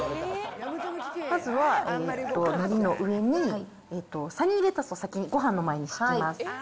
まずはのりの上に、サニーレタスを先にごはんの前に敷きます